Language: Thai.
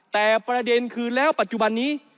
แต่ประเด็นคือแล้วปัจจุบันนี้